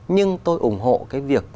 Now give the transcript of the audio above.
nhưng tôi ủng hộ cái việc